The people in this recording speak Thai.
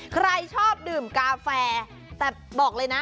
ใครชอบดื่มกาแฟแต่บอกเลยนะ